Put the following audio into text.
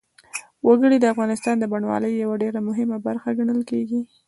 وګړي د افغانستان د بڼوالۍ یوه ډېره مهمه برخه ګڼل کېږي.